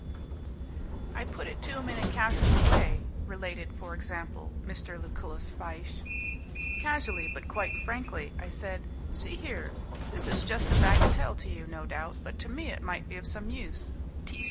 "I put it to him in a casual way," related, for example, Mr. Lucullus Fyshe, "casually, but quite frankly. I said, 'See here, this is just a bagatelle to you, no doubt, but to me it might be of some use.